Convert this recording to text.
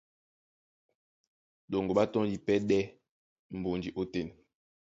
Ɗoŋgo ɓá tɔ́ndi pɛ́ ɗɛ́ mbonji ótên.